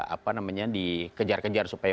apa namanya dikejar kejar supaya